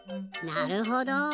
なるほど。